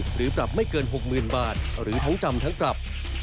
หรือปรับไม่เกิน๖๐๐๐บาทหรือทั้งจำทั้งปรับ